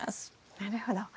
なるほど。